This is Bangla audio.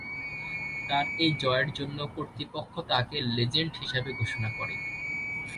তার এই জয়ের জন্য কর্তৃপক্ষ তাকে লেজেন্ড হিসেবে ঘোষণা করে।